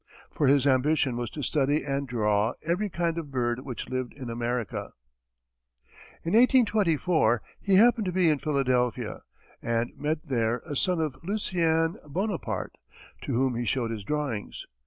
For his ambition was to study and draw every kind of bird which lived in America. In 1824 he happened to be in Philadelphia, and met there a son of Lucien Bonaparte, to whom he showed his drawings.